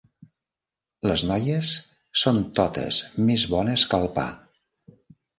Les noies són totes més bones que el pa.